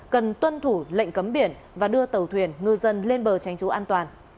cần tuân thủ lệnh cấm biển và đưa tàu thuyền ngư dân lên bờ tránh trú an toàn